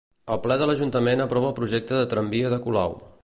El ple de l'ajuntament aprova el projecte de tramvia de Colau.